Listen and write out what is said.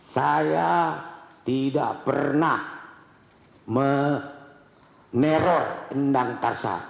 saya tidak pernah meneror endang karsa